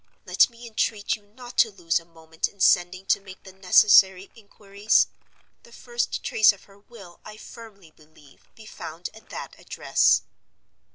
Let me entreat you not to lose a moment in sending to make the necessary inquiries; the first trace of her will, I firmly believe, be found at that address.